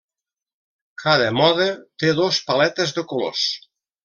Cada mode té dos paletes de colors.